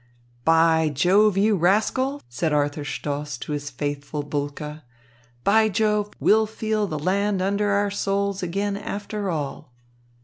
"By Jove, you rascal," said Arthur Stoss to his faithful Bulke, "by Jove, we'll feel the land under our soles again after all."